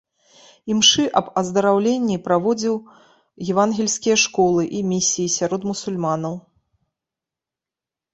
Імшы аб аздараўленні, праводзіў евангельскія школы і місіі сярод мусульманаў.